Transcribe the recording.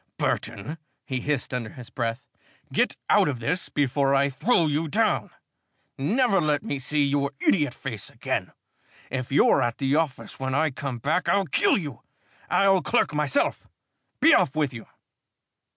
"Burton," he hissed under his breath, "get out of this before I throw you down! Never let me see your idiot face again! If you're at the office when I come back, I'll kill you! I'll clerk myself. Be off with you!"